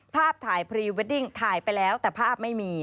ภาพถ่ายพรีเวดดิ้งถ่ายไปแล้วแต่ภาพไม่มี